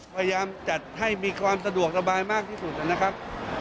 พยายามจัดให้มีความสะดวกสบายมากที่สุดนะครับ